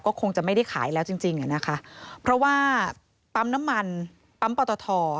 ก็คงจะไม่ได้ขายแล้วจริงจริงอ่ะนะคะเพราะว่าปั๊มน้ำมันปั๊มปอตท